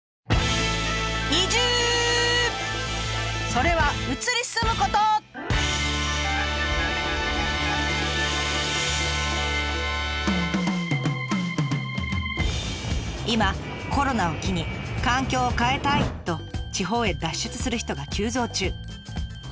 それは今コロナを機に環境を変えたい！と地方へ脱出する人が急増中。